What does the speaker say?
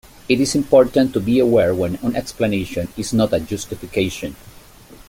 It is important to be aware when an explanation is "not" a justification.